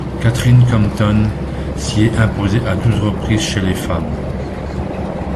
Katherine Compton s'y est imposée à douze reprises chez les femmes.